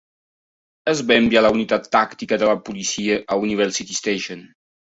Es va enviar la unitat tàctica de la policia a University Station.